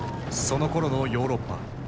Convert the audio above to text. そのころのヨーロッパ。